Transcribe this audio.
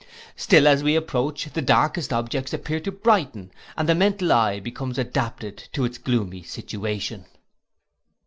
Still as we approach, the darkest objects appear to brighten, and the mental eye becomes adapted to its gloomy situation.